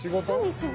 仕事。